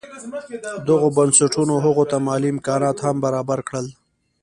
دغو بنسټونو هغوی ته مالي امکانات هم برابر کړل.